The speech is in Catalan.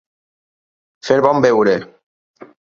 Fer bon veure.